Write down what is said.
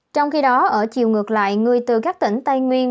trong khi đó ở chiều ngược lại người từ các tỉnh tây nguyên